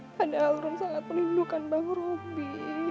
padahal rum sangat peninggukan bang robi